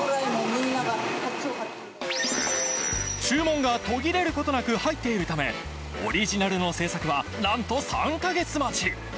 注文が途切れることなく入っているためオリジナルの製作はなんと３カ月待ち